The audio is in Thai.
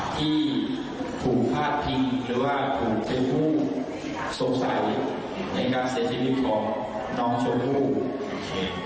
ที่ผูพาทิศหรือว่าผูเทพภูมิสงสัยในการเสียชีวิตของน้องชมฟัง